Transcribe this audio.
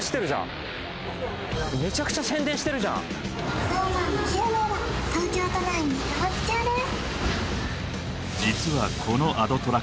ＳｎｏｗＭａｎの９名は東京都内に出没中です